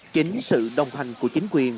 chính sự đồng hành của chính quyền